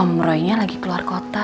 om roynya lagi keluar kota